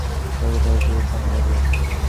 অপরাধকেই ভয় করি, পানুবাবু, অনুতাপকে নয়।